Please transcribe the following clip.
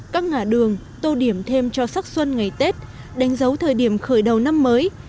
các ngã đường tô điểm thêm cho sắc xuân ngày tết đánh dấu thời điểm khởi đầu năm mới